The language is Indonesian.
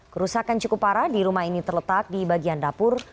kerusakan cukup parah di rumah ini terletak di bagian dapur